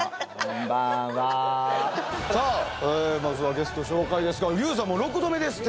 さあまずはゲスト紹介ですがＹＯＵさんもう６度目ですって。